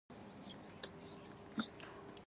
څنګه کولی شم د ماشومانو سره ښه خبرې وکړم